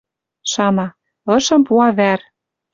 Шана: «Ышым пуа вӓр».